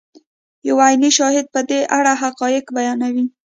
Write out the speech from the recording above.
یو عیني شاهد په دې اړه حقایق بیانوي.